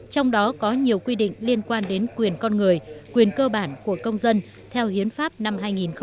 trong đó có nhiều quy định liên quan đến quyền con người quyền cơ bản của công dân theo hiến pháp năm hai nghìn một mươi ba